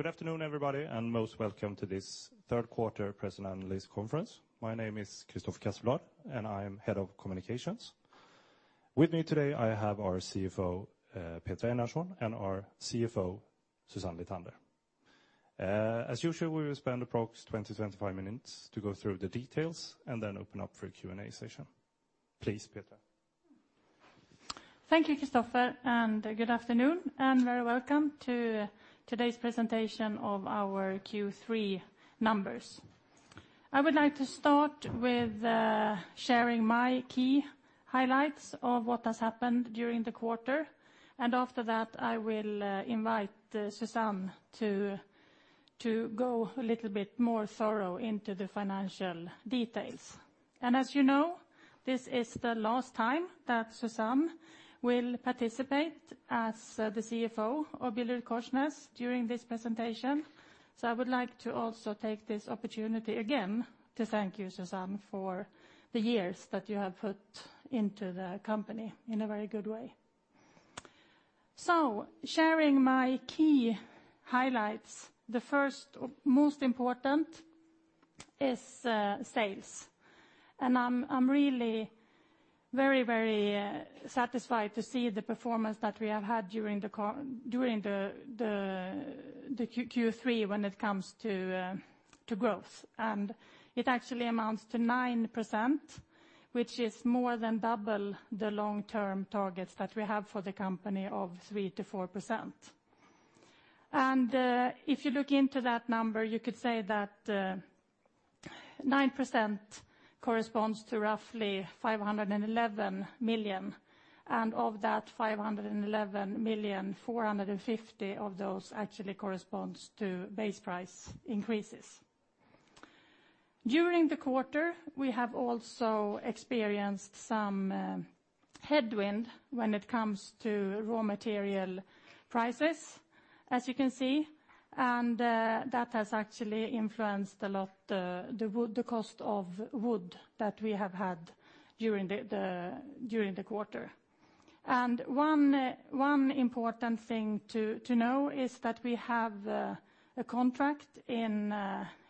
Good afternoon, everybody, and most welcome to this third quarter press and analyst conference. My name is Christopher Casselblad, and I am Head of Communications. With me today, I have our CEO, Petra Einarsson, and our CFO, Susanne Lithander. As usual, we will spend approximately 20 to 25 minutes to go through the details and then open up for a Q&A session. Please, Petra. Thank you, Christopher, and good afternoon, and very welcome to today's presentation of our Q3 numbers. I would like to start with sharing my key highlights of what has happened during the quarter, and after that, I will invite Susanne to go a little bit more thorough into the financial details. As you know, this is the last time that Susanne will participate as the CFO of BillerudKorsnäs during this presentation. So I would like to also take this opportunity again to thank you, Susanne, for the years that you have put into the company in a very good way. So sharing my key highlights, the first most important is sales. I am really very, very satisfied to see the performance that we have had during the Q3 when it comes to growth. It actually amounts to 9%, which is more than double the long-term targets that we have for the company of 3%-4%. If you look into that number, you could say that 9% corresponds to roughly 511 million, and of that 511 million, 450 of those actually corresponds to base price increases. During the quarter, we have also experienced some headwind when it comes to raw material prices, as you can see, and that has actually influenced a lot the cost of wood that we have had during the quarter. One important thing to know is that we have a contract in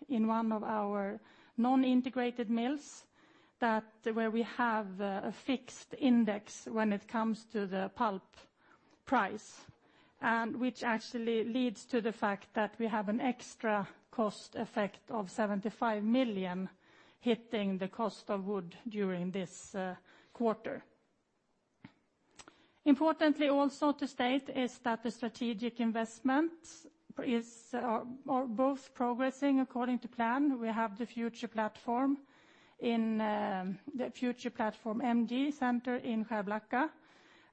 one of our non-integrated mills where we have a fixed index when it comes to the pulp price, and which actually leads to the fact that we have an extra cost effect of 75 million hitting the cost of wood during this quarter. Importantly, also to state is that the strategic investments are both progressing according to plan. We have the future platform MG Center in Skärblacka,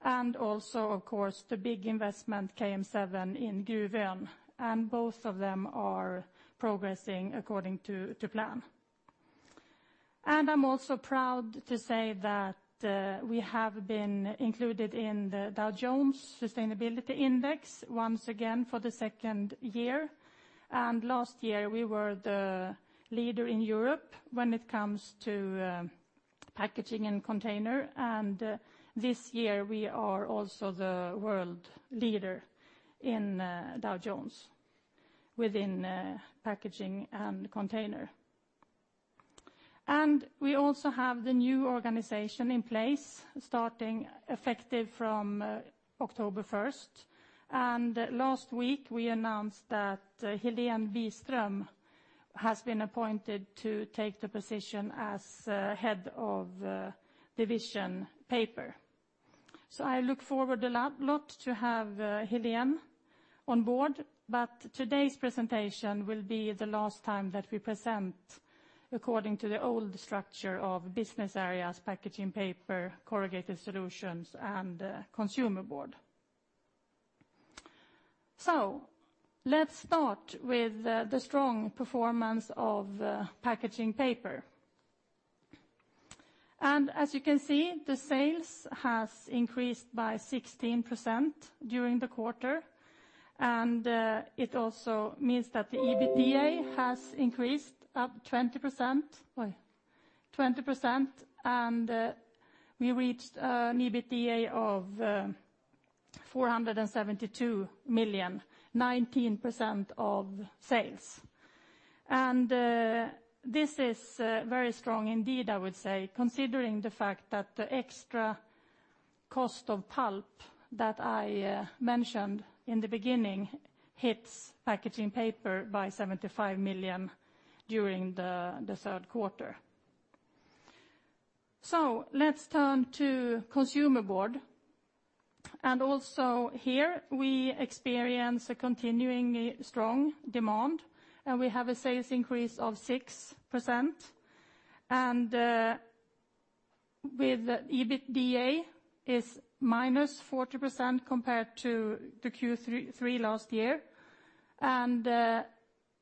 and also, of course, the big investment KM7 in Gruvön, and both of them are progressing according to plan. I am also proud to say that we have been included in the Dow Jones Sustainability Index once again for the second year. Last year, we were the leader in Europe when it comes to packaging and container, and this year we are also the world leader in Dow Jones within packaging and container. We also have the new organization in place, starting effective from October 1st, and last week we announced that Helén Byström has been appointed to take the position as Head of Division Paper. I look forward a lot to have Helén Byström on board. Today's presentation will be the last time that we present according to the old structure of business areas, Packaging Paper, Corrugated Solutions, and Consumer Board. Let's start with the strong performance of Packaging Paper. As you can see, the sales has increased by 16% during the quarter, and it also means that the EBITDA has increased up 20%, and we reached an EBITDA of 472 million, 19% of sales. This is very strong indeed, I would say, considering the fact that the extra cost of pulp that I mentioned in the beginning hits Packaging Paper by 75 million during the third quarter. Let's turn to Consumer Board, and also here we experience a continuing strong demand, and we have a sales increase of 6%, and with EBITDA is -40% compared to the Q3 last year.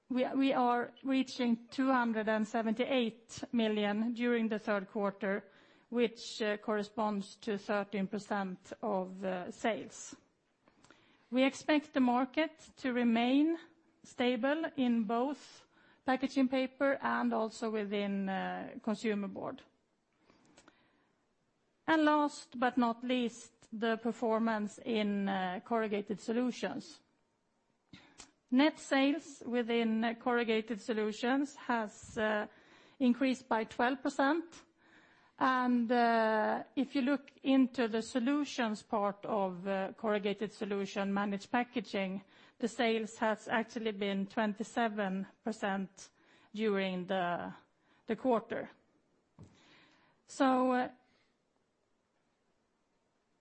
We are reaching 278 million during the third quarter, which corresponds to 13% of sales. We expect the market to remain stable in both Packaging Paper and also within Consumer Board. Last but not least, the performance in Corrugated Solutions. Net sales within Corrugated Solutions has increased by 12%. If you look into the solutions part of Corrugated Solution Managed Packaging, the sales has actually been 27% during the quarter.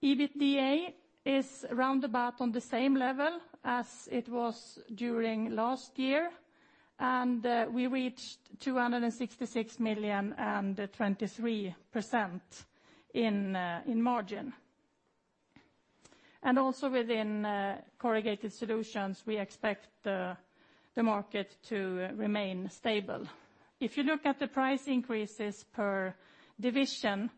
EBITDA is round about on the same level as it was during last year, and we reached 266 million and 23% in margin. Also within Corrugated Solutions, we expect the market to remain stable. If you look at the price increases per division,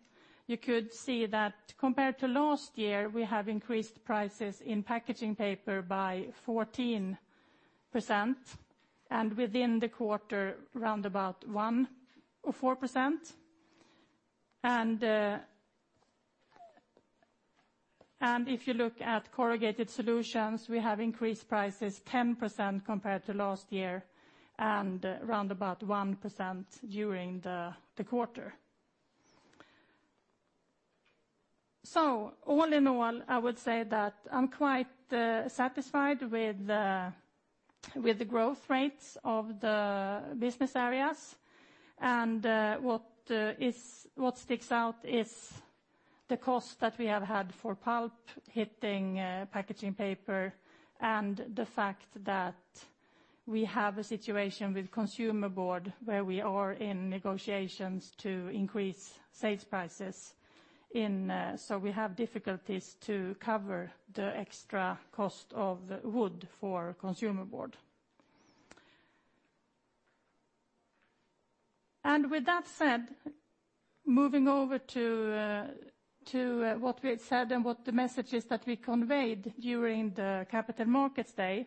you could see that compared to last year, we have increased prices in Packaging Paper by 14%, and within the quarter, round about 1% or 4%. If you look at Corrugated Solutions, we have increased prices 10% compared to last year and round about 1% during the quarter. All in all, I would say that I'm quite satisfied with the growth rates of the business areas. What sticks out is the cost that we have had for pulp hitting Packaging Paper and the fact that we have a situation with Consumer Board where we are in negotiations to increase sales prices. We have difficulties to cover the extra cost of wood for Consumer Board. With that said, moving over to what we had said and what the messages that we conveyed during the Capital Markets Day.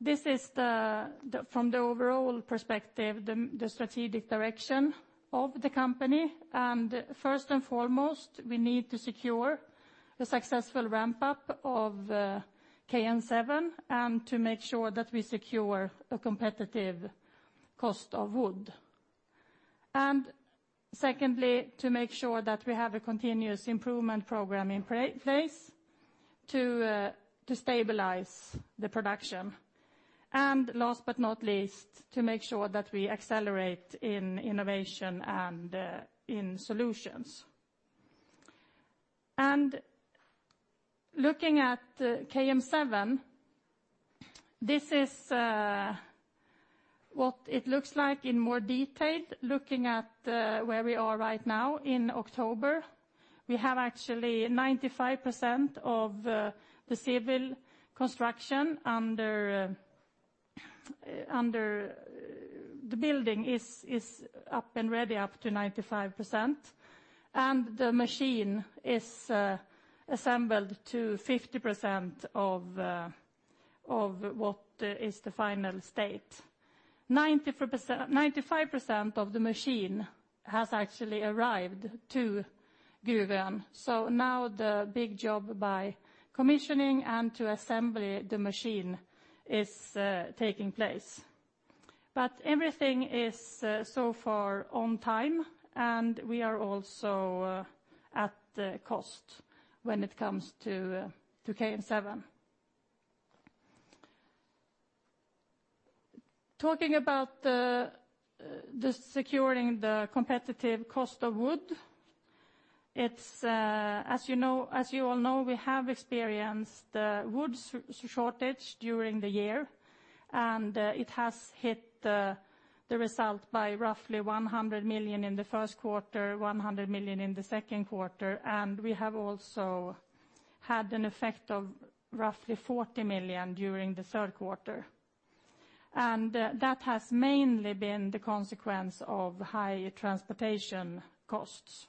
This is from the overall perspective, the strategic direction of the company. First and foremost, we need to secure a successful ramp-up of KM7 and to make sure that we secure a competitive cost of wood. Secondly, to make sure that we have a continuous improvement program in place to stabilize the production. Last but not least, to make sure that we accelerate in innovation and in solutions. Looking at KM7, this is what it looks like in more detail, looking at where we are right now in October. We have actually 95% of the civil construction, the building is up and ready up to 95%, and the machine is assembled to 50% of what is the final state. 95% of the machine has actually arrived to Gruvön. Now the big job by commissioning and to assembly the machine is taking place. Everything is so far on time, we are also at cost when it comes to KM7. Talking about the securing the competitive cost of wood, as you all know, we have experienced wood shortage during the year, it has hit the result by roughly 100 million in the first quarter, 100 million in the second quarter, we have also had an effect of roughly 40 million during the third quarter. That has mainly been the consequence of high transportation costs.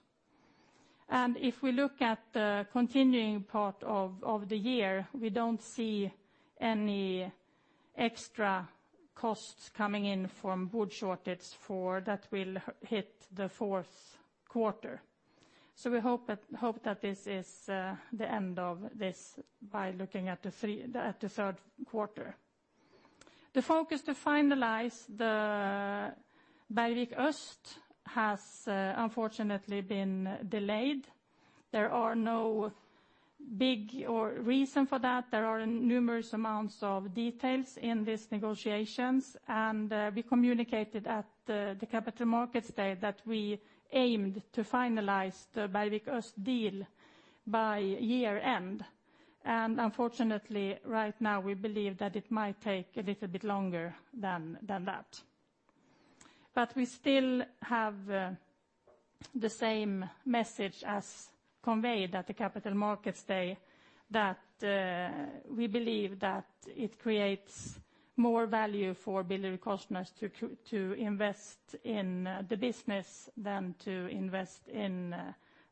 If we look at the continuing part of the year, we don't see any extra costs coming in from wood shortage that will hit the fourth quarter. We hope that this is the end of this by looking at the third quarter. The focus to finalize the Bergvik Öst has unfortunately been delayed. There are no big reason for that. There are numerous amounts of details in these negotiations, we communicated at the Capital Markets Day that we aimed to finalize the Bergvik Öst deal by year-end. Unfortunately, right now, we believe that it might take a little bit longer than that. We still have the same message as conveyed at the Capital Markets Day that we believe that it creates more value for BillerudKorsnäs to invest in the business than to invest in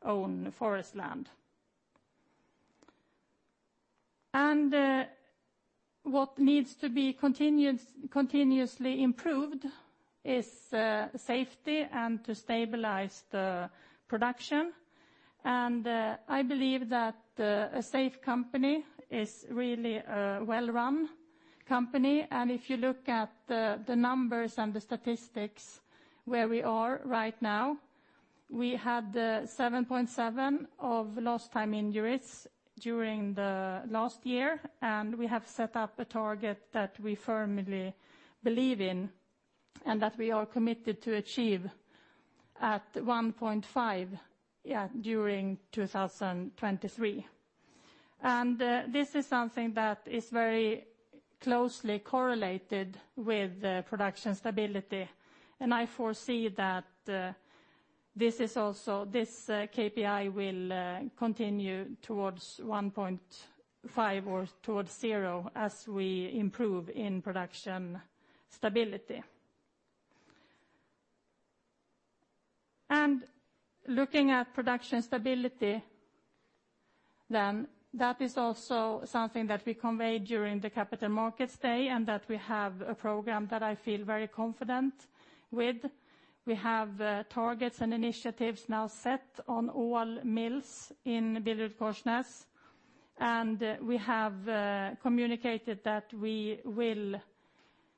own forest land. What needs to be continuously improved is safety and to stabilize the production. I believe that a safe company is really a well-run company. If you look at the numbers and the statistics where we are right now, we had 7.7 of lost time injuries during the last year, we have set up a target that we firmly believe in, that we are committed to achieve at 1.5 during 2023. This is something that is very closely correlated with production stability. I foresee that this KPI will continue towards 1.5 or towards zero as we improve in production stability. Looking at production stability, then, that is also something that we conveyed during the Capital Markets Day, that we have a program that I feel very confident with. We have targets and initiatives now set on all mills in BillerudKorsnäs, we have communicated that we will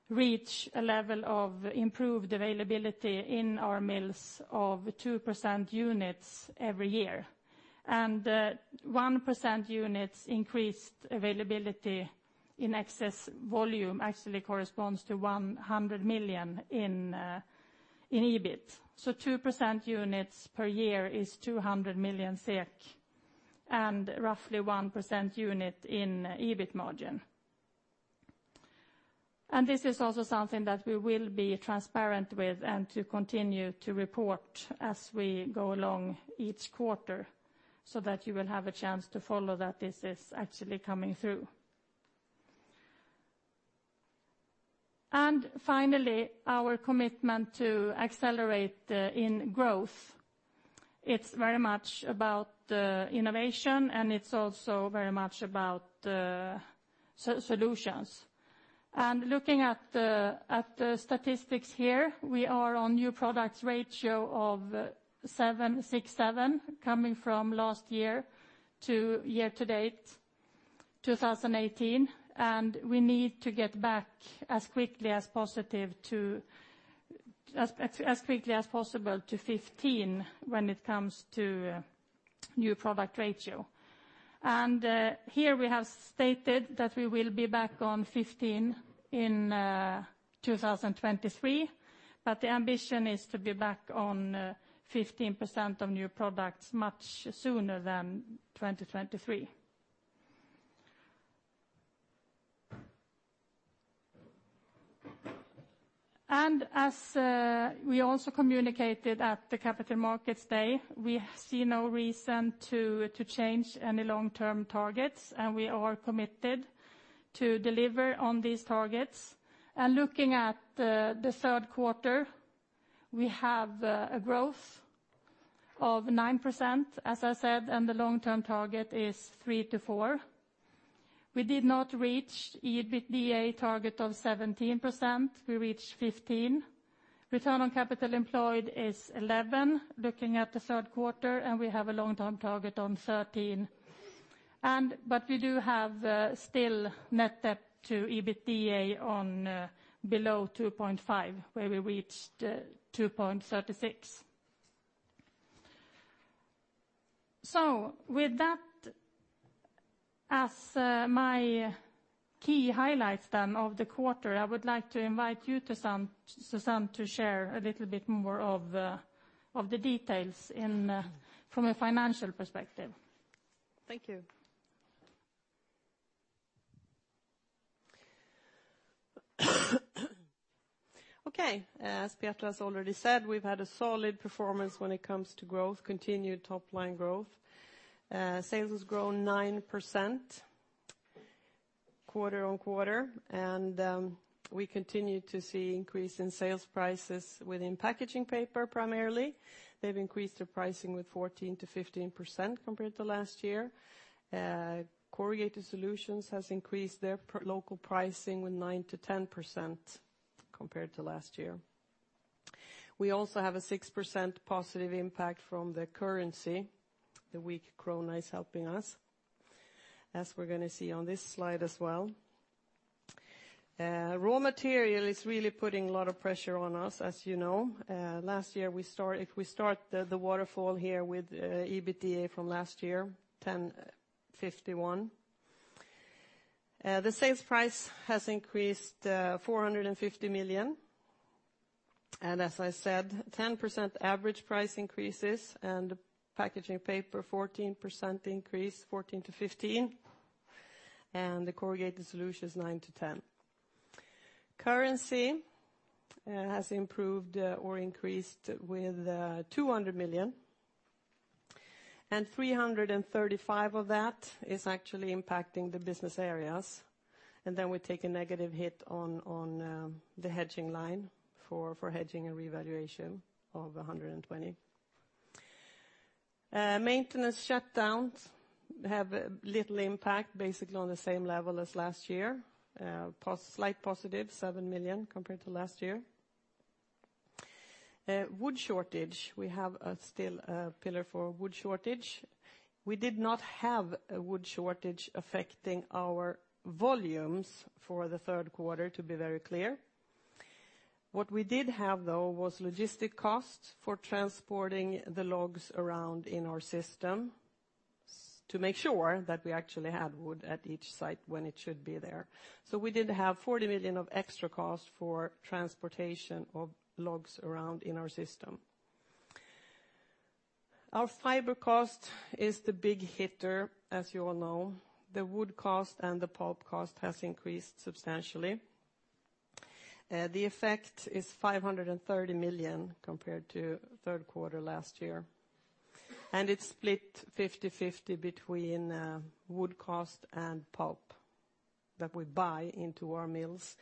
reach a level of improved availability in our mills of 2% units every year. 1% units increased availability in excess volume actually corresponds to 100 million in EBIT. 2% units per year is 200 million SEK, roughly 1% unit in EBIT margin. This is also something that we will be transparent with, to continue to report as we go along each quarter, that you will have a chance to follow that this is actually coming through. Finally, our commitment to accelerate in growth. It's very much about innovation, it's also very much about solutions. Looking at the statistics here, we are on new products ratio of 6.7 coming from last year to year to date, 2018, we need to get back as quickly as possible to 15 when it comes to new product ratio. Here we have stated that we will be back on 15% in 2023, but the ambition is to be back on 15% of new products much sooner than 2023. As we also communicated at the Capital Markets Day, we see no reason to change any long-term targets, and we are committed to deliver on these targets. Looking at the third quarter, we have a growth of 9%, as I said, and the long-term target is 3%-4%. We did not reach EBITDA target of 17%. We reached 15%. Return on capital employed is 11%, looking at the third quarter, and we have a long-term target on 13%. We do have still net debt to EBITDA below 2.5x, where we reached 2.36x. With that as my key highlights, then, of the quarter, I would like to invite you, Susanne, to share a little bit more of the details from a financial perspective. Thank you. Okay. As Petra has already said, we've had a solid performance when it comes to growth, continued top line growth. Sales has grown 9% quarter-on-quarter, and we continue to see increase in sales prices within Packaging Paper, primarily. They've increased their pricing with 14%-15% compared to last year. Corrugated Solutions has increased their local pricing with 9%-10% compared to last year. We also have a 6% positive impact from the currency. The weak krona is helping us, as we're going to see on this slide as well. Raw material is really putting a lot of pressure on us, as you know. Last year, if we start the waterfall here with EBITDA from last year, 10.51. The sales price has increased 450 million. As I said, 10% average price increases and Packaging Paper 14% increase, 14%-15%, and the Corrugated Solutions 9%-10%. Currency has improved or increased with 200 million, and 335 million of that is actually impacting the business areas. Then we take a negative hit on the hedging line for hedging and revaluation of 120 million. Maintenance shutdowns have little impact, basically on the same level as last year. Slight positive, 7 million compared to last year. Wood shortage, we have still a pillar for wood shortage. We did not have a wood shortage affecting our volumes for the third quarter, to be very clear. What we did have, though, was logistic costs for transporting the logs around in our system to make sure that we actually had wood at each site when it should be there. We did have 40 million of extra cost for transportation of logs around in our system. Our fiber cost is the big hitter, as you all know. The wood cost and the pulp cost has increased substantially. The effect is 530 million compared to third quarter last year, and it is split 50/50 between wood cost and pulp that we buy into our mills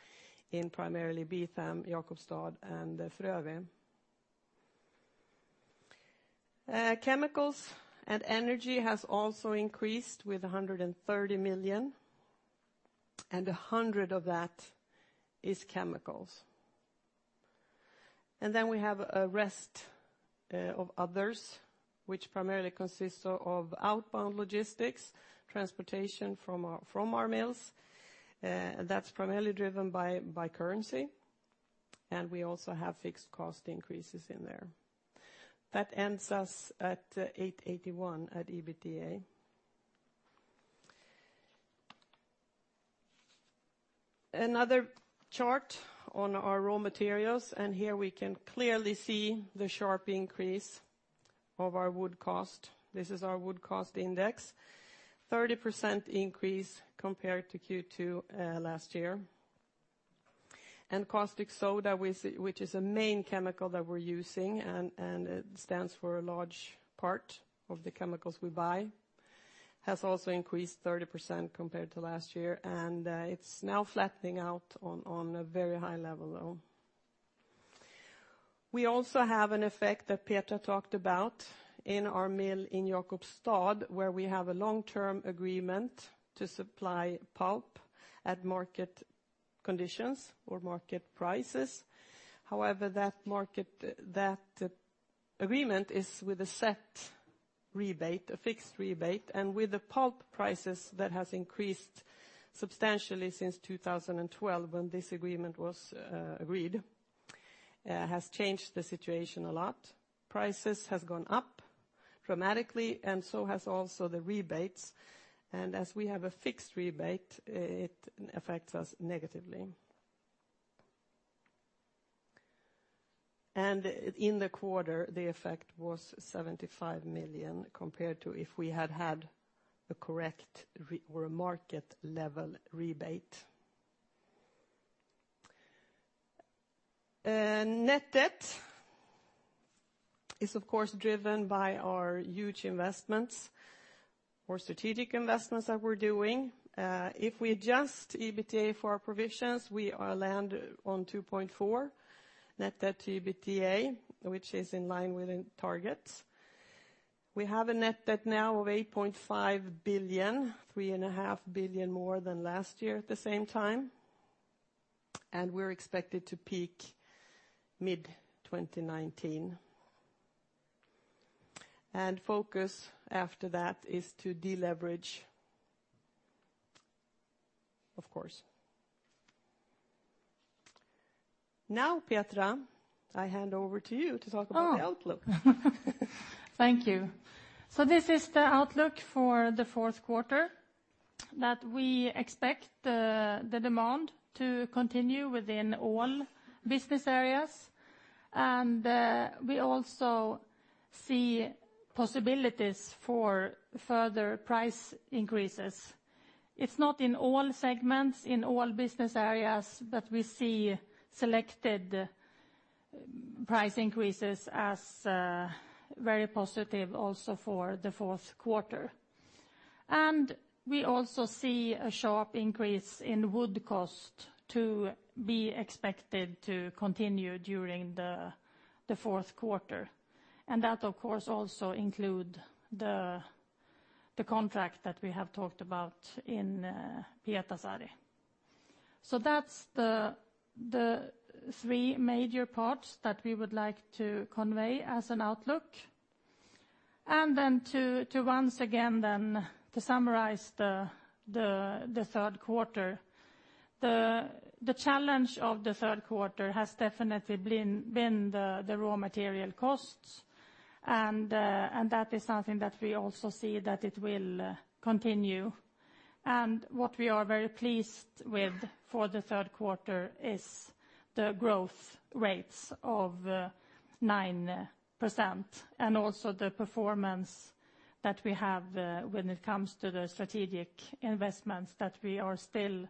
in primarily Beetham, Jakobstad, and Frövi. Chemicals and energy has also increased with 130 million, and 100 million of that is chemicals. We have a rest of others, which primarily consists of outbound logistics, transportation from our mills. That is primarily driven by currency, and we also have fixed cost increases in there. That ends us at 881 million at EBITDA. Another chart on our raw materials. Here we can clearly see the sharp increase of our wood cost. This is our wood cost index, 30% increase compared to Q2 last year. Caustic soda, which is a main chemical that we are using, and it stands for a large part of the chemicals we buy, has also increased 30% compared to last year. It is now flattening out on a very high level, though. We also have an effect that Petra talked about in our mill in Jakobstad, where we have a long-term agreement to supply pulp at market conditions or market prices. However, that agreement is with a set rebate, a fixed rebate, and with the pulp prices that has increased substantially since 2012 when this agreement was agreed, has changed the situation a lot. Prices has gone up dramatically, and so has also the rebates. As we have a fixed rebate, it affects us negatively. In the quarter, the effect was 75 million, compared to if we had had a correct or a market-level rebate. Net debt is, of course, driven by our huge investments or strategic investments that we are doing. If we adjust EBITDA for our provisions, we land on 2.4x net debt to EBITDA, which is in line within targets. We have a net debt now of 8.5 billion, 3.5 billion more than last year at the same time, and we are expected to peak mid-2019. Focus after that is to deleverage, of course. Petra, I hand over to you to talk about the outlook. Thank you. This is the outlook for the fourth quarter, that we expect the demand to continue within all business areas, and we also see possibilities for further price increases. It is not in all segments, in all business areas, but we see selected price increases as very positive also for the fourth quarter. We also see a sharp increase in wood cost to be expected to continue during the fourth quarter. That, of course, also include the contract that we have talked about in Pietarsaari. That is the three major parts that we would like to convey as an outlook. To, once again, to summarize the third quarter. The challenge of the third quarter has definitely been the raw material costs. That is something that we also see that it will continue. What we are very pleased with for the third quarter is the growth rates of 9%, also the performance that we have when it comes to the strategic investments that we are still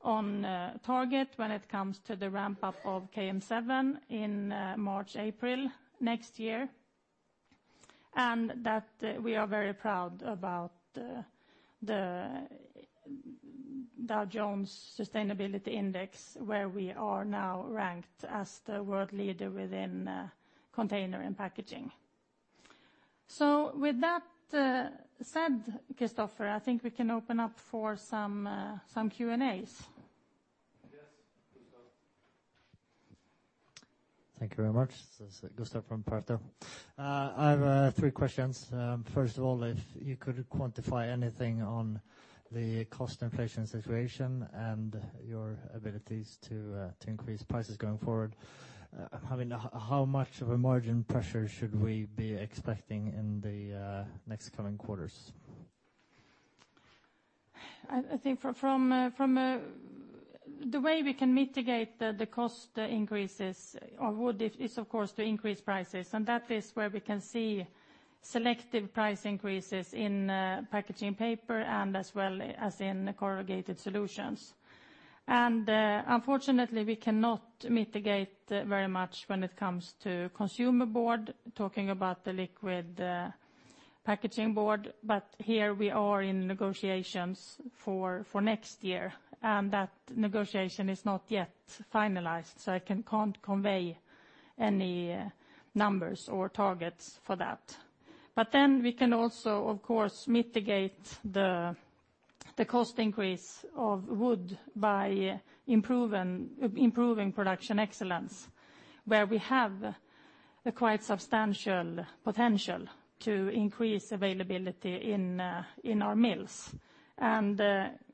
on target when it comes to the ramp-up of KM7 in March, April next year. We are very proud about the Dow Jones Sustainability Index, where we are now ranked as the world leader within container and packaging. With that said, Christopher, I think we can open up for some Q&As. Yes. Gustav. Thank you very much. This is Gustav from Pareto. I have three questions. First of all, if you could quantify anything on the cost inflation situation and your abilities to increase prices going forward, I mean, how much of a margin pressure should we be expecting in the next coming quarters? I think from the way we can mitigate the cost increases of wood is, of course, to increase prices, and that is where we can see selective price increases in packaging paper and as well as in corrugated solutions. Unfortunately, we cannot mitigate very much when it comes to consumer board, talking about the liquid packaging board. Here we are in negotiations for next year, and that negotiation is not yet finalized, so I can't convey any numbers or targets for that. Then we can also, of course, mitigate the cost increase of wood by improving production excellence, where we have a quite substantial potential to increase availability in our mills.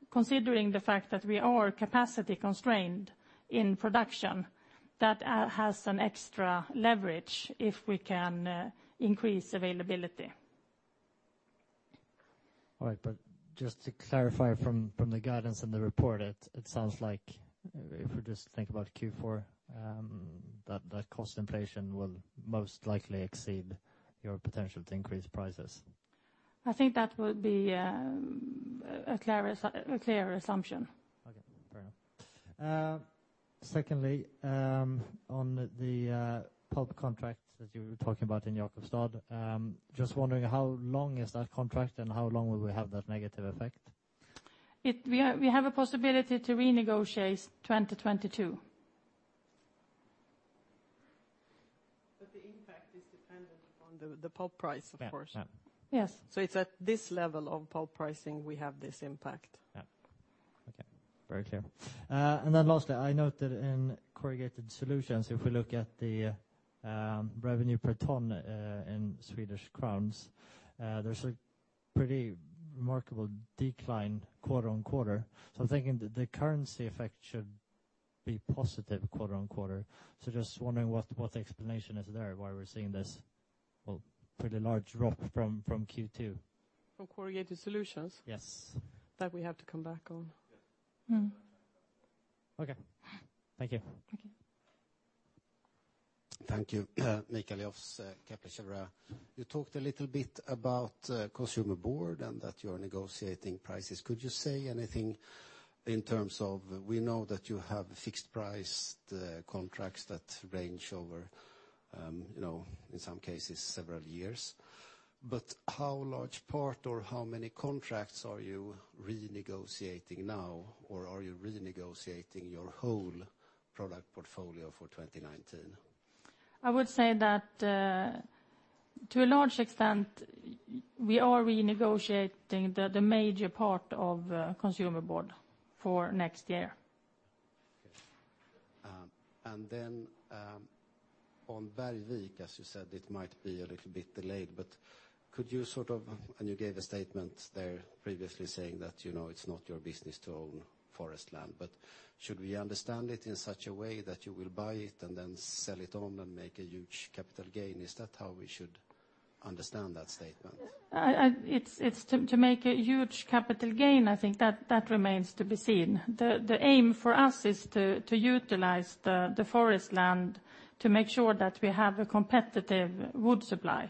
Considering the fact that we are capacity constrained in production, that has an extra leverage if we can increase availability. All right. Just to clarify from the guidance and the report, it sounds like if we just think about Q4, that cost inflation will most likely exceed your potential to increase prices. I think that would be a clear assumption. Okay, fair enough. Secondly, on the pulp contract that you were talking about in Jakobstad, just wondering how long is that contract and how long will we have that negative effect? We have a possibility to renegotiate 2022. The impact is dependent on the pulp price, of course. Yeah. Yes. It's at this level of pulp pricing, we have this impact. Yeah. Okay. Very clear. Then lastly, I noted in corrugated solutions, if we look at the revenue per ton in SEK, there's a pretty remarkable decline quarter-on-quarter. I'm thinking the currency effect should be positive quarter-on-quarter. Just wondering what the explanation is there, why we're seeing this pretty large drop from Q2. From corrugated solutions? Yes. That we have to come back on. Yes. Okay. Thank you. Thank you. Thank you. Mikael Jafs, Kepler Cheuvreux. You talked a little bit about consumer board and that you're negotiating prices. Could you say anything in terms of, we know that you have fixed price contracts that range over, in some cases, several years, but how large part or how many contracts are you renegotiating now, or are you renegotiating your whole product portfolio for 2019? I would say that to a large extent, we are renegotiating the major part of consumer board for next year. Okay. On Bergvik, as you said, it might be a little bit delayed, could you sort of, you gave a statement there previously saying that it's not your business to own forest land, should we understand it in such a way that you will buy it and then sell it on and make a huge capital gain? Is that how we should understand that statement? To make a huge capital gain, I think that remains to be seen. The aim for us is to utilize the forest land to make sure that we have a competitive wood supply.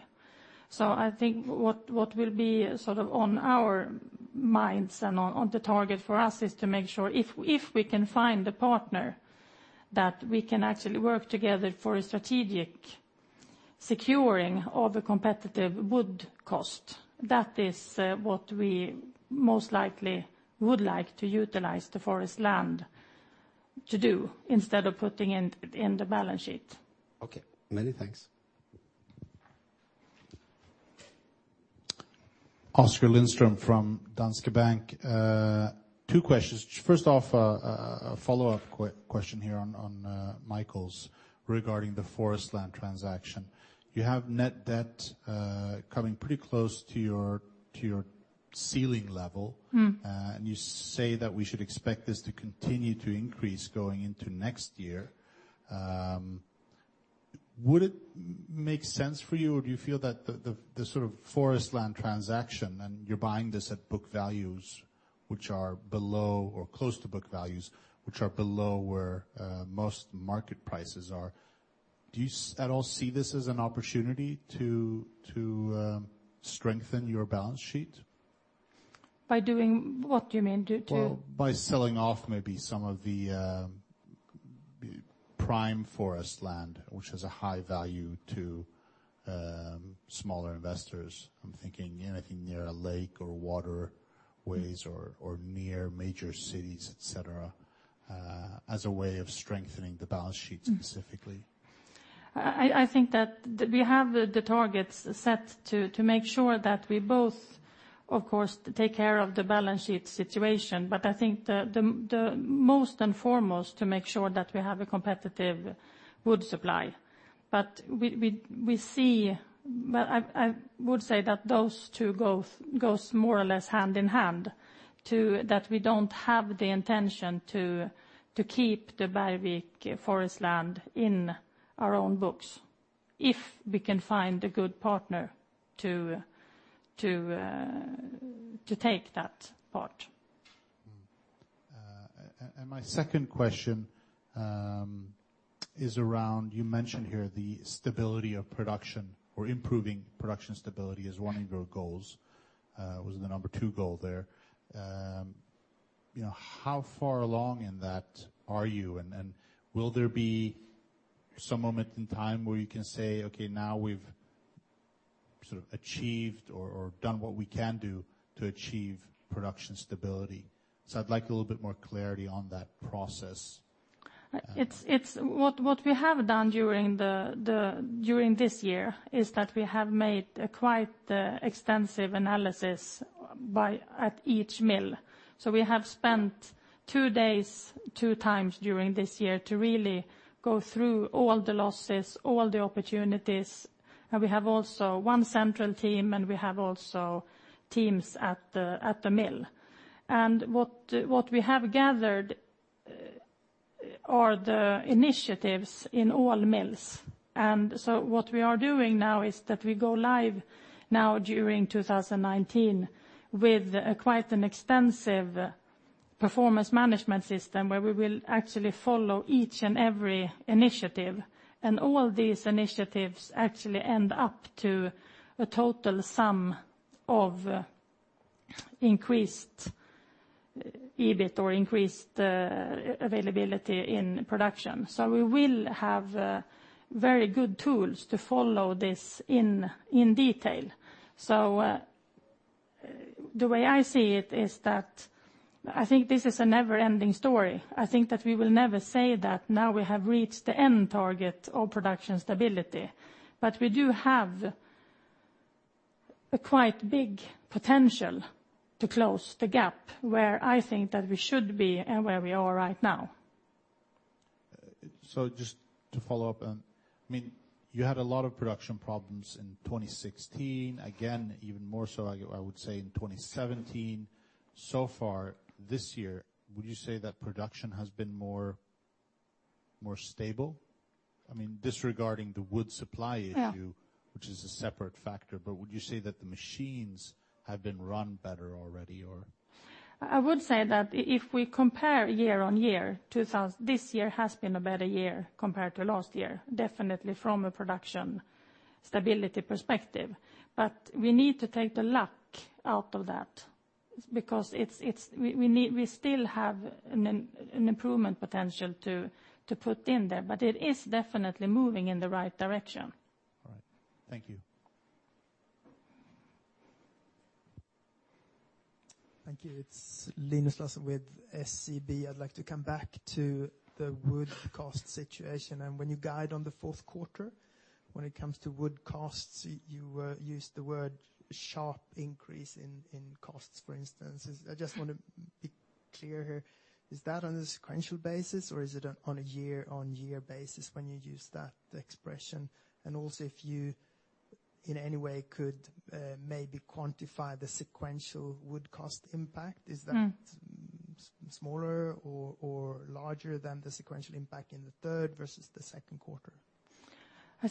I think what will be sort of on our minds and on the target for us is to make sure if we can find the partner that we can actually work together for a strategic securing of a competitive wood cost. That is what we most likely would like to utilize the forest land to do instead of putting it in the balance sheet. Okay. Many thanks. Oskar Lindström from Danske Bank. Two questions. First off, a follow-up question here on Mikael's regarding the forest land transaction. You have net debt coming pretty close to your ceiling level. You say that we should expect this to continue to increase going into next year. Would it make sense for you, or do you feel that the sort of forest land transaction, and you're buying this at book values, or close to book values, which are below where most market prices are? Do you at all see this as an opportunity to strengthen your balance sheet? By doing, what do you mean? Well, by selling off maybe some of the prime forest land, which has a high value to smaller investors, thinking anything near a lake or waterways or near major cities, et cetera, as a way of strengthening the balance sheet specifically. I think that we have the targets set to make sure that we both, of course, take care of the balance sheet situation, but I think most and foremost, to make sure that we have a competitive wood supply. We see, I would say that those two go more or less hand in hand, that we don't have the intention to keep the Bergvik forest land in our own books if we can find a good partner to take that part. My second question is around, you mentioned here the stability of production or improving production stability as one of your goals. It was the number 2 goal there. How far along in that are you? Will there be some moment in time where you can say, "Okay, now we've sort of achieved or done what we can do to achieve production stability"? I'd like a little bit more clarity on that process. What we have done during this year is that we have made a quite extensive analysis at each mill. We have spent two days, two times during this year to really go through all the losses, all the opportunities, and we have also one central team, and we have also teams at the mill. What we have gathered are the initiatives in all mills. What we are doing now is that we go live now during 2019 with quite an extensive performance management system where we will actually follow each and every initiative. All these initiatives actually end up to a total sum of increased EBIT or increased availability in production. We will have very good tools to follow this in detail. The way I see it is that I think this is a never-ending story. I think that we will never say that now we have reached the end target of production stability. We do have a quite big potential to close the gap where I think that we should be and where we are right now. Just to follow up, you had a lot of production problems in 2016, again, even more so I would say in 2017. So far this year, would you say that production has been more stable? I mean, disregarding the wood supply issue- Yeah which is a separate factor, would you say that the machines have been run better already or? I would say that if we compare year-on-year, this year has been a better year compared to last year, definitely from a production stability perspective. We need to take the luck out of that because we still have an improvement potential to put in there. It is definitely moving in the right direction. All right. Thank you. Thank you. It is Linus Larsson with SEB. I would like to come back to the wood cost situation. When you guide on the fourth quarter, when it comes to wood costs, you used the word sharp increase in costs, for instance. I just want to be clear here, is that on a sequential basis or is it on a year-on-year basis when you use that expression? Also if you, in any way, could maybe quantify the sequential wood cost impact. Is that smaller or larger than the sequential impact in the third versus the second quarter? I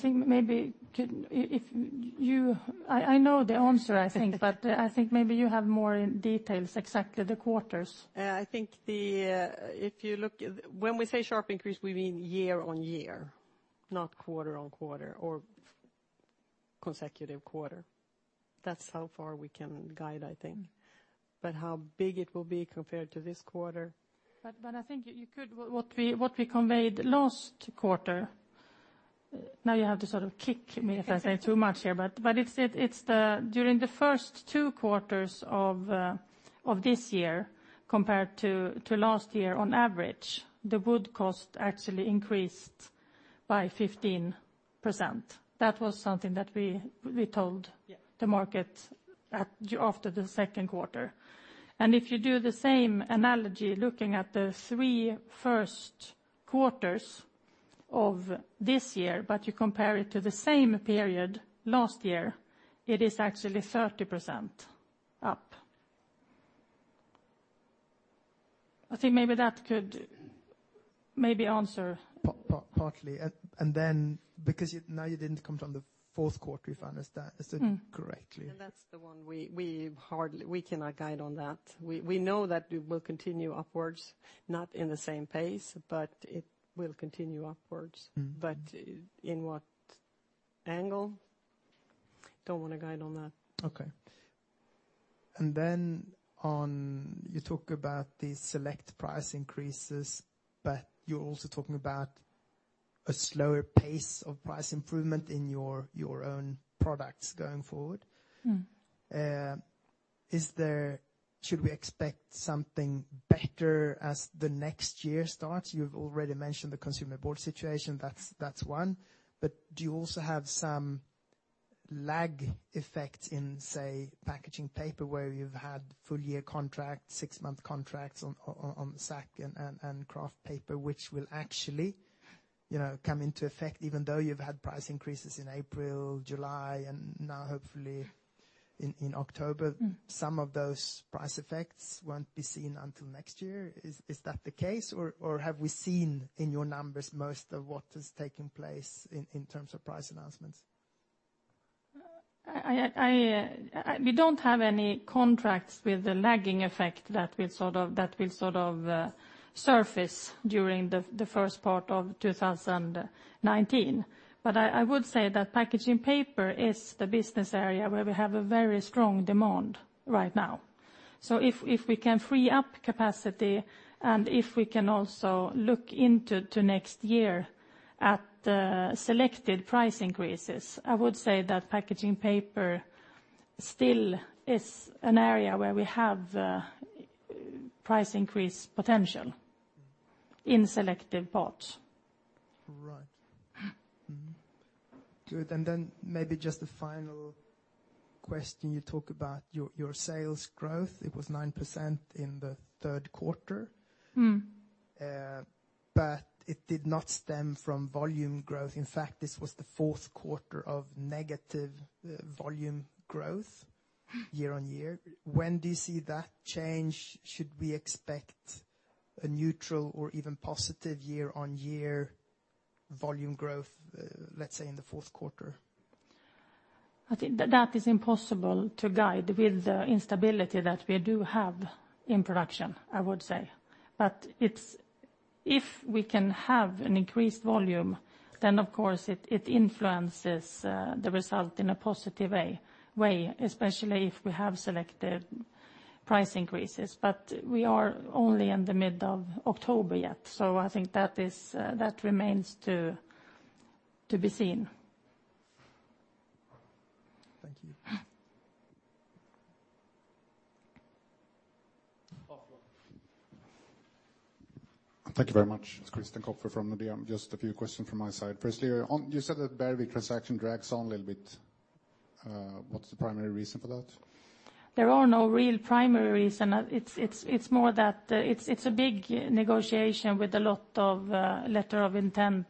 know the answer, I think, but I think maybe you have more details, exactly the quarters. I think if you look, when we say sharp increase, we mean year-on-year, not quarter-on-quarter or consecutive quarter. That is how far we can guide, I think, but how big it will be compared to this quarter. I think you could, what we conveyed last quarter, now you have to sort of kick me if I say too much here, but it is during the first two quarters of this year compared to last year, on average, the wood cost actually increased by 15%. That was something that we told. Yeah The market after the second quarter. If you do the same analogy, looking at the three first quarters of this year, but you compare it to the same period last year, it is actually 30% up. I think maybe that could maybe answer. Partly. Then because now you didn't comment on the fourth quarter, if I understand correctly. That's the one we cannot guide on that. We know that it will continue upwards, not in the same pace, but it will continue upwards. In what angle, don't want to guide on that. Okay. You talk about the select price increases, but you're also talking about a slower pace of price improvement in your own products going forward. Should we expect something better as the next year starts? You've already mentioned the consumer board situation. That's one. Do you also have some lag effect in, say, packaging paper, where you've had full year contracts, 6-month contracts on sack and kraft paper, which will actually come into effect even though you've had price increases in April, July, and now hopefully in October. Some of those price effects won't be seen until next year. Is that the case, or have we seen in your numbers most of what has taken place in terms of price announcements? We don't have any contracts with the lagging effect that will sort of surface during the first part of 2019. I would say that packaging paper is the business area where we have a very strong demand right now. If we can free up capacity, and if we can also look into next year at selected price increases, I would say that packaging paper still is an area where we have price increase potential in selective parts. Right. Good. Then maybe just a final question. You talk about your sales growth. It was 9% in the third quarter. It did not stem from volume growth. In fact, this was the fourth quarter of negative volume growth year-on-year. When do you see that change? Should we expect a neutral or even positive year-on-year volume growth, let's say, in the fourth quarter? I think that is impossible to guide with the instability that we do have in production, I would say. If we can have an increased volume, of course it influences the result in a positive way, especially if we have selected price increases. We are only in the mid of October yet, so I think that remains to be seen. Thank you. Thank you very much. It's Coleen Constant from ABG. A few questions from my side. Firstly, you said that Bergvik transaction drags on a little bit. What's the primary reason for that? There are no real primary reason. It's more that it's a big negotiation with a lot of letter of intent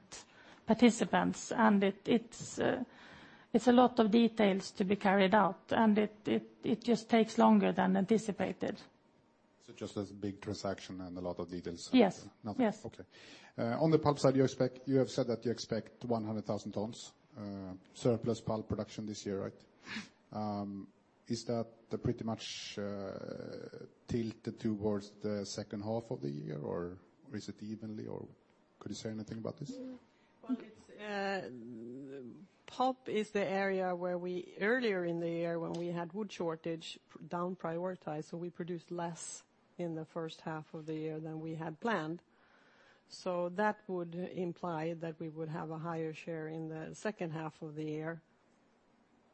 participants, and it's a lot of details to be carried out, and it just takes longer than anticipated. Just as a big transaction and a lot of details. Yes nothing. Yes. Okay. On the pulp side, you have said that you expect 100,000 tons surplus pulp production this year, right? Is that pretty much tilted towards the second half of the year, or is it evenly, or could you say anything about this? Well, pulp is the area where we, earlier in the year, when we had wood shortage down-prioritized, we produced less in the first half of the year than we had planned. That would imply that we would have a higher share in the second half of the year.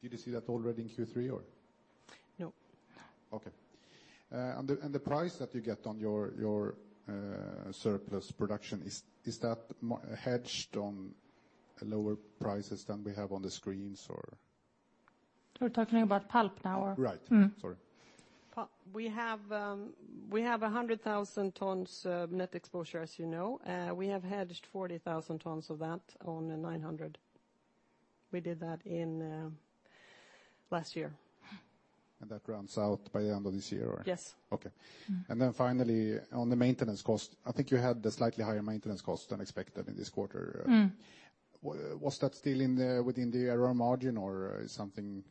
Did you see that already in Q3, or? No. Okay. The price that you get on your surplus production, is that hedged on lower prices than we have on the screens, or? You're talking about pulp now, or? Right. Sorry. We have 100,000 tons of net exposure, as you know. We have hedged 40,000 tons of that on $900. We did that in last year. That runs out by the end of this year, or? Yes. Okay. Then finally, on the maintenance cost, I think you had a slightly higher maintenance cost than expected in this quarter. Was that still within the error margin, or something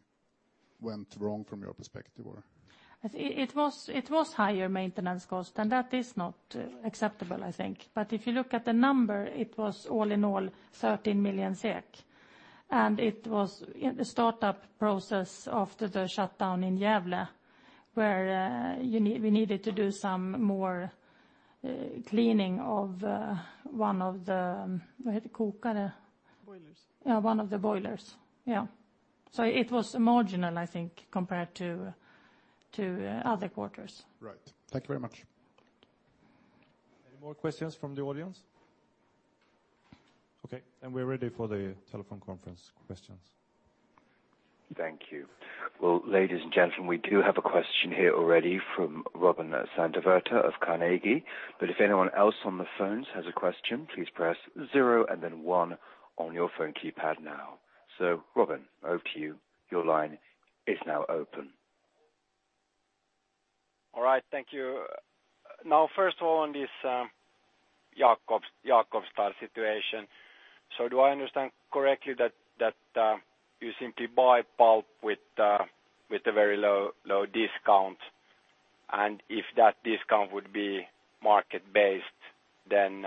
went wrong from your perspective, or? It was higher maintenance cost. That is not acceptable, I think. If you look at the number, it was all in all 13 million SEK. It was the startup process after the shutdown in Gävle, where we needed to do some more cleaning of one of the Boilers. Yeah, one of the boilers. Yeah. It was marginal, I think, compared to other quarters. Right. Thank you very much. Any more questions from the audience? We're ready for the telephone conference questions. Thank you. Well, ladies and gentlemen, we do have a question here already from Robin Santavirta of Carnegie. If anyone else on the phones has a question, please press zero and then one on your phone keypad now. Robin, over to you. Your line is now open. All right. Thank you. First of all, on this Jakobstad situation. Do I understand correctly that you simply buy pulp with a very low discount? If that discount would be market-based, that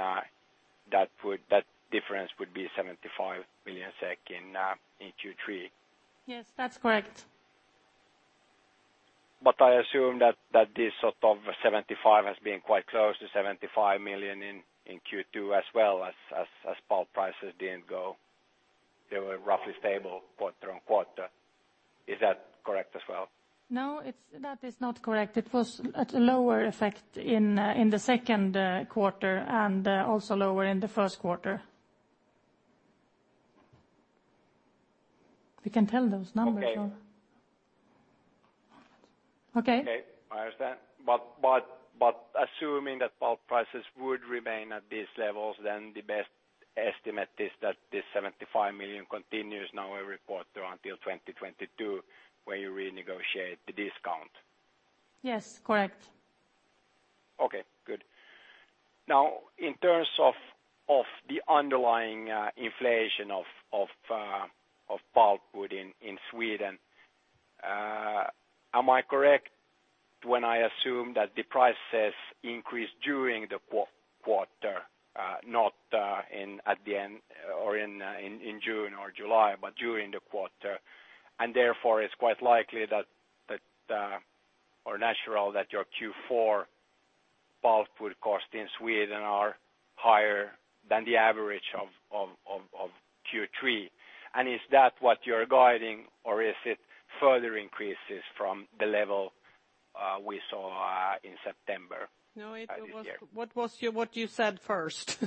difference would be 75 million SEK in Q3. Yes, that's correct. I assume that this sort of 75 has been quite close to 75 million in Q2 as well, as pulp prices didn't go. They were roughly stable quarter-on-quarter. Is that correct as well? No, that is not correct. It was at a lower effect in the second quarter and also lower in the first quarter. We can tell those numbers. Okay. Okay. Okay, I understand. Assuming that pulp prices would remain at these levels, the best estimate is that this 75 million continues now every quarter until 2022, where you renegotiate the discount. Yes, correct. Okay, good. In terms of the underlying inflation of pulpwood in Sweden, am I correct when I assume that the prices increased during the quarter? Not at the end or in June or July, but during the quarter, and therefore it's quite likely that, or natural, that your Q4 pulpwood costs in Sweden are higher than the average of Q3. Is that what you're guiding, or is it further increases from the level we saw in September? No, it was what you said first.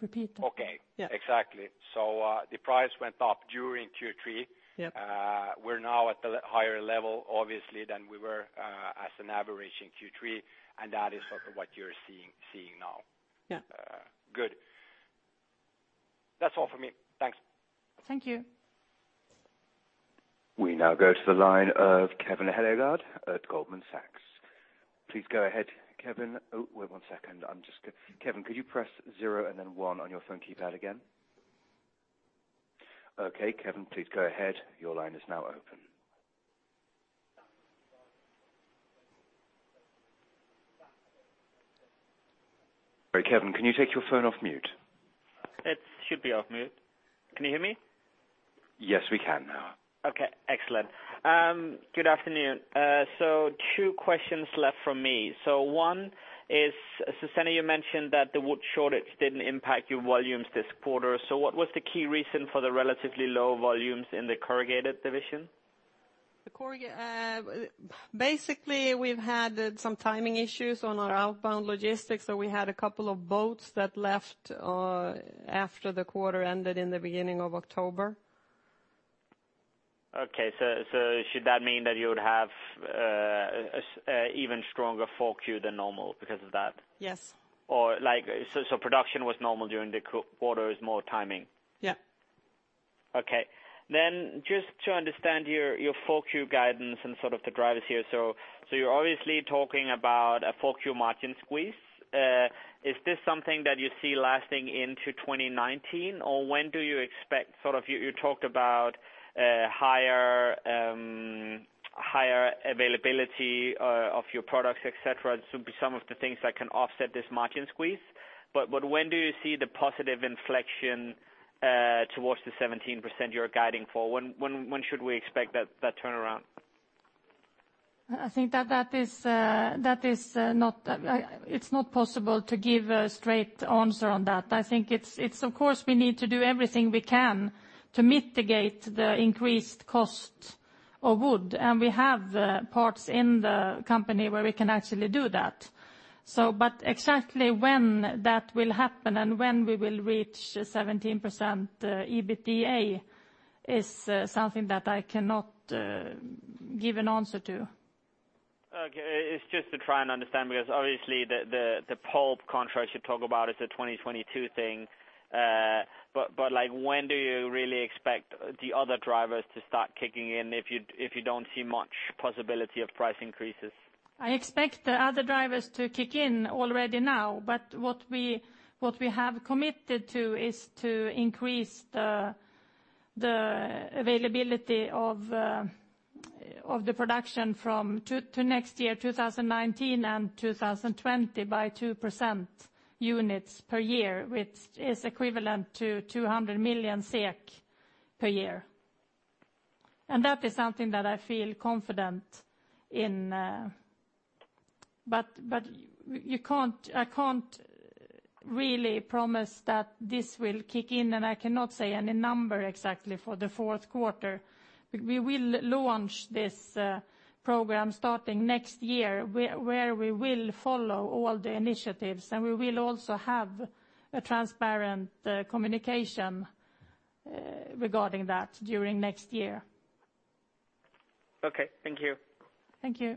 Repeat that. Okay. Yeah. Exactly. The price went up during Q3. Yep. We're now at the higher level, obviously, than we were as an average in Q3, and that is sort of what you're seeing now. Yeah. Good. That's all for me. Thanks. Thank you. We now go to the line of Kevin Hellegård at Goldman Sachs. Please go ahead, Kevin. Oh, wait one second. Kevin, could you press zero and then one on your phone keypad again? Okay, Kevin, please go ahead. Your line is now open. Kevin, can you take your phone off mute? It should be off mute. Can you hear me? Yes, we can now. Okay, excellent. Good afternoon. Two questions left from me. One is, Susanne, you mentioned that the wood shortage didn't impact your volumes this quarter. What was the key reason for the relatively low volumes in the corrugated division? Basically, we've had some timing issues on our outbound logistics, so we had a couple of boats that left after the quarter ended in the beginning of October. Okay, should that mean that you would have an even stronger 4Q than normal because of that? Yes. Production was normal during the quarter, it's more timing? Yeah. Okay. Just to understand your 4Q guidance and sort of the drivers here. You're obviously talking about a 4Q margin squeeze. Is this something that you see lasting into 2019? When do you expect? You talked about higher availability of your products, et cetera, some of the things that can offset this margin squeeze. When do you see the positive inflection towards the 17% you're guiding for? When should we expect that turnaround? I think it's not possible to give a straight answer on that. I think, of course, we need to do everything we can to mitigate the increased cost of wood, and we have parts in the company where we can actually do that. Exactly when that will happen and when we will reach 17% EBITDA is something that I cannot give an answer to. Okay. It's just to try and understand, because obviously the pulp contract you talk about is a 2022 thing. When do you really expect the other drivers to start kicking in if you don't see much possibility of price increases? I expect the other drivers to kick in already now, but what we have committed to is to increase the availability of the production to next year, 2019 and 2020, by 2% units per year, which is equivalent to 200 million SEK per year. That is something that I feel confident in. I can't really promise that this will kick in, and I cannot say any number exactly for the fourth quarter. We will launch this program starting next year, where we will follow all the initiatives, and we will also have a transparent communication regarding that during next year. Okay. Thank you. Thank you.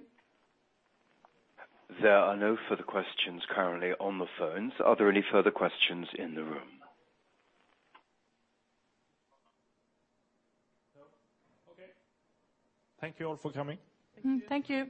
There are no further questions currently on the phones. Are there any further questions in the room? No. Okay. Thank you all for coming. Thank you.